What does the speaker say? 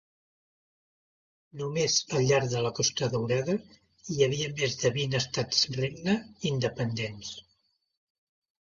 Només al llarg de la Costa Daurada, hi havia més de vint estats-regne independents.